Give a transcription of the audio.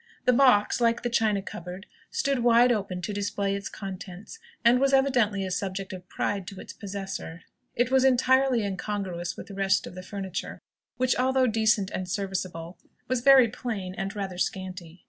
The box, like the china cupboard, stood wide open to display its contents, and was evidently a subject of pride to its possessor. It was entirely incongruous with the rest of the furniture, which, although decent and serviceable, was very plain, and rather scanty.